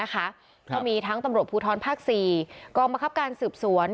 ก็มีทั้งตำรวจภูทรภาค๔กองบังคับการสืบสวน